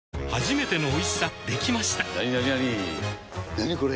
なにこれ！